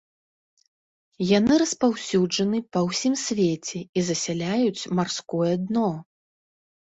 Яны распаўсюджаны па ўсім свеце і засяляюць марское дно.